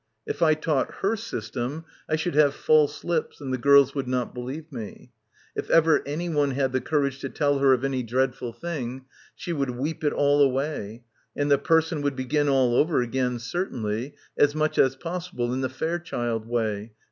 If I taught her system I should have false lips and the girls would not believe me. If ever anyone had the courage to tell her of any dreadful thing, she would weep it all away; and the person would begin all over again cer tainly, as much as possible in the Fairchild way